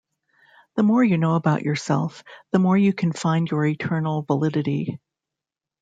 The more you know about yourself the more you can find your eternal validity.